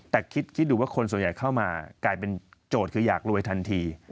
แต่คิดดูว่าคนส่วนใหญ่เข้ามากลายเป็นโจทย์คืออยากรวยทันที